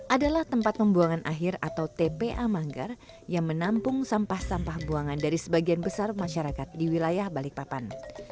adalah tempat pembuangan akhir atau tpa manggar yang menampung sampah sampah buangan dari sebagian besar masyarakat di wilayah balikpapan